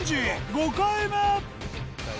５回目！